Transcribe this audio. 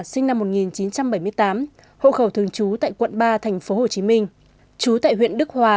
sinh năm một nghìn chín trăm bảy mươi tám hộ khẩu thường chú tại quận ba tp hồ chí minh chú tại huyện đức hòa